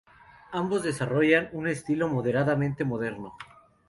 Ambos desarrollaron un estilo moderadamente moderno.